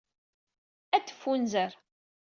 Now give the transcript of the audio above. Ad teffunzer.